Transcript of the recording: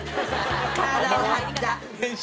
体を張った。